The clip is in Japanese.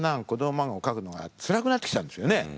漫画を描くのがつらくなってきたんですよね。